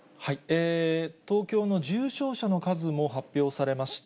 東京の重症者の数も発表されました。